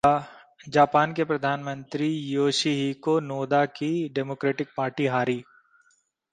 Japan के प्रधानमंत्री Yoshihiko Noda की डेमोक्रेटिक पार्टी हारी